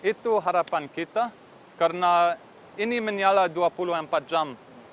itu harapan kita karena ini menyala dua puluh empat jam